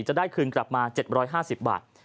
จะได้คืนกลับมา๗๕๐บาท